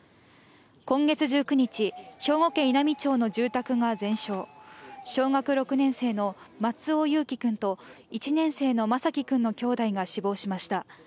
今月１９日、兵庫県稲美町の住宅が全焼、小学６年生の松尾侑城くんと１年生の眞輝くんの兄弟が死亡しました。